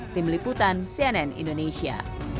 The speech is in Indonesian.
tim liputan cnn indonesia